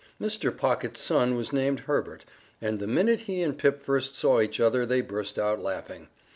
Mr. Pocket's son was named Herbert, and the minute he and Pip first saw each other they burst out laughing.